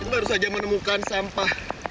baru saja menemukan sampah